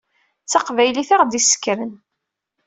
D taqbaylit i aɣ-d-issekkren.